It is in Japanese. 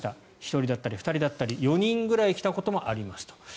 １人だったり、２人だったり４人ぐらい来たこともありますと。